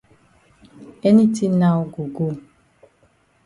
Any tin now go go.